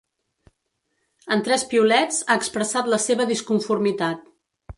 En tres piulets, ha expressat la seva disconformitat.